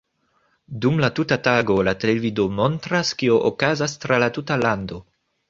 Dum la tuta tago la televido montras, kio okazas tra la tuta lando.